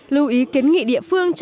lưu ý kiến nghị địa phương